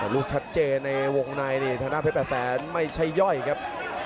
ลูกชัดเจนในวงในธนาเขกแปดแฟนไม่ใช่ย่อยครับ